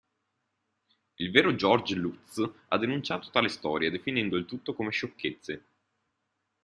Il vero George Lutz ha denunciato tale storia, definendo il tutto come "sciocchezze".